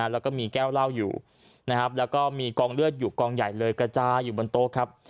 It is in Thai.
แล้วก็มีแก้วเหล้าอยู่นะครับแล้วก็มีกองเลือดอยู่กองใหญ่เลยกระจายอยู่บนโต๊ะครับ